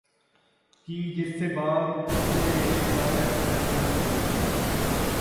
کی جس سے بات اسنے شکایت ضرور کی